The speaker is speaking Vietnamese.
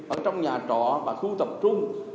ở trong nhà trọ và khu tập trung